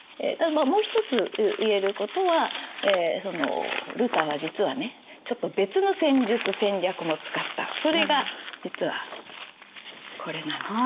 ただまあもう一つ言えることはルターは実はねちょっと別の戦術戦略も使ったそれが実はこれなの。